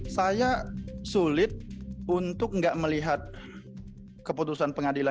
saya sulit untuk nggak melihat keputusan pengadilan